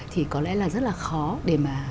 thì có lẽ là rất là khó để mà